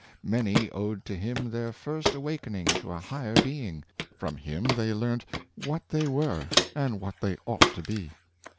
Many owed to him their first awakening to a higher being; from him they learnt what they were, and what they ought to be.